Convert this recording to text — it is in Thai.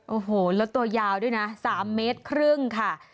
โอ้โหแล้วตัวยาวด้วยนะ๓เมตรครึ่งค่ะ